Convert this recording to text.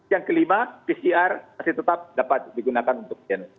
yang kelima pcr masih tetap dapat digunakan untuk gen